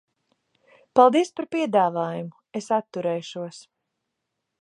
Paldies par piedāvājumu, es atturēšos.